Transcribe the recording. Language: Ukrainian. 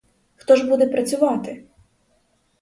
Хто ж буде працювати?